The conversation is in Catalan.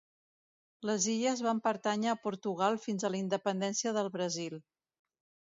Les illes van pertànyer a Portugal fins a la independència del Brasil.